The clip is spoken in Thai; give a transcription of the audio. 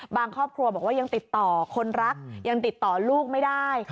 ครอบครัวบอกว่ายังติดต่อคนรักยังติดต่อลูกไม่ได้